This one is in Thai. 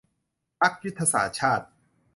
พรรคยุทธศาสตร์ชาติ